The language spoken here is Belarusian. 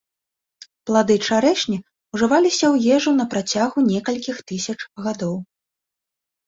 Плады чарэшні ўжываліся ў ежу на працягу некалькіх тысяч гадоў.